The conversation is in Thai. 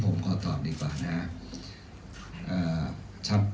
ประเด็นนี้ผมขอตอบดีกว่านะครับ